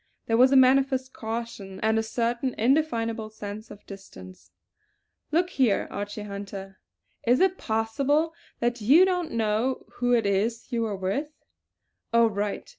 There was a manifest caution and a certain indefinable sense of distance. "Look here, Archie Hunter! Is it possible that you don't know who it is that you were with. All right!